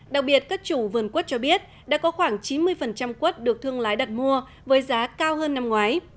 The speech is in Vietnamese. đặc biệt các chủ vườn quất cho biết đã có khoảng chín mươi quất được thương lái đặt mua với giá cao hơn năm ngoái